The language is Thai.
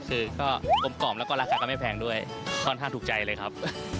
คือก็กลมกล่อมแล้วก็ราคาก็ไม่แพงด้วยค่อนข้างถูกใจเลยครับ